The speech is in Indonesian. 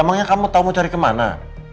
emangnya kamu tahu mau cari kemana